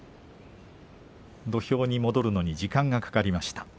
土俵に戻るのに時間がかかりました。